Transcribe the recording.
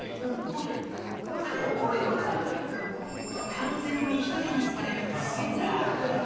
完全に１人にされる武田。